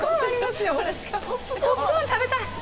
ポップコーン食べたい。